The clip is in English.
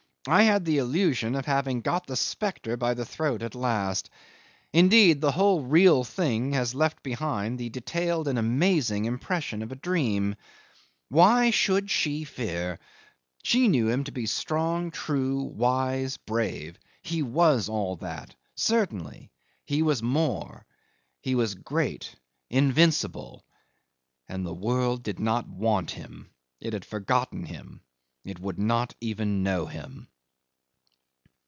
I had the illusion of having got the spectre by the throat at last. Indeed the whole real thing has left behind the detailed and amazing impression of a dream. Why should she fear? She knew him to be strong, true, wise, brave. He was all that. Certainly. He was more. He was great invincible and the world did not want him, it had forgotten him, it would not even know him.